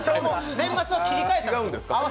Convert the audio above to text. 年末、切り替えたんです。